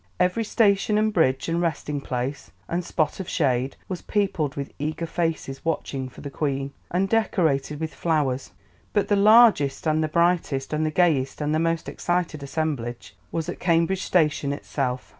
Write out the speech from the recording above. "Every station and bridge, and resting place, and spot of shade was peopled with eager faces watching for the Queen, and decorated with flowers; but the largest, and the brightest, and the gayest, and the most excited assemblage was at Cambridge station itself.